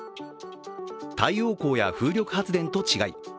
太陽光や風力発電と違い